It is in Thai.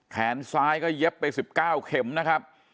แขนซ้ายก็เย็บไป๑๙เข็มนะครับ